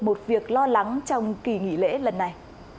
một việc lo lắng trong kỳ nghỉ lễ lần này